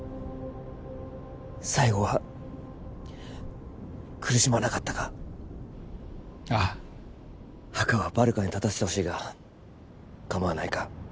最後は苦しまなかったかああ墓はバルカに建たせてほしいがかまわないか？